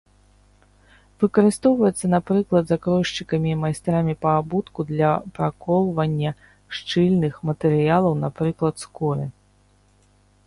Выкарыстоўваецца, напрыклад, закройшчыкамі і майстрамі па абутку для праколвання шчыльных матэрыялаў, напрыклад, скуры.